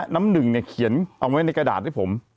น้ำหนึ่งเขียนเอาไว้ในกระดาษด้วยผม